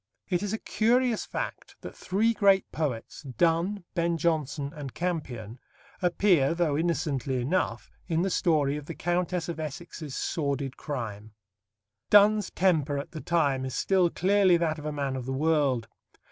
It is a curious fact that three great poets Donne, Ben Jonson, and Campion appear, though innocently enough, in the story of the Countess of Essex's sordid crime. Donne's temper at the time is still clearly that of a man of the world.